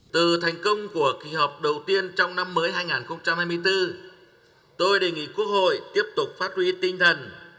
từ thành công của kỳ họp đầu tiên trong năm mới hai nghìn hai mươi bốn tôi đề nghị quốc hội tiếp tục phát huy tinh thần